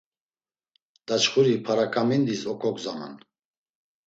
Daçxuri p̌araǩamindis oǩogzaman.